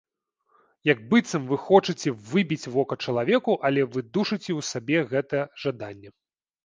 Як быццам вы хочаце выбіць вока чалавеку, але вы душыце ў сабе гэта жаданне.